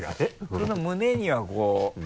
その胸にはこう。